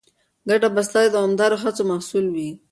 ګټه به ستا د دوامداره هڅو محصول وي.